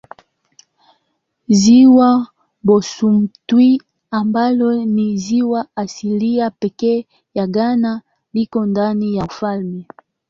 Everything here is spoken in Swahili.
Ziwa Bosumtwi ambalo ni ziwa asilia pekee ya Ghana liko ndani ya ufalme.